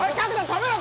止めろ！